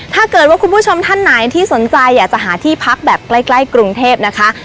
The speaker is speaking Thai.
ถ้าเกิดว่าคุณผู้ชมท่านไหนที่สนใจอยากจะหาที่พักแบบใกล้กรุงเทพนะคะ